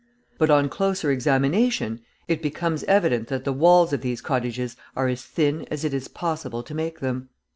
But on closer examination, it becomes evident that the walls of these cottages are as thin as it is possible to make them.